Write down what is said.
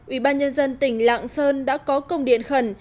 ubnd tỉnh lạng sơn đã có công điện khẩn